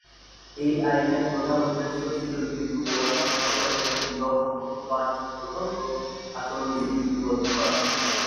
এই আইনের প্রধান উদ্দেশ্য ছিল হিন্দু ও অন্যান্যদের মধ্যে বিবাহ সম্পর্কিত আইন সংশোধন ও আচরণ বিধি লিপিবদ্ধ করা।